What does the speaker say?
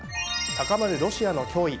高まるロシアの脅威。